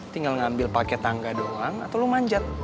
tinggal ngambil pakai tangga doang atau lo manjat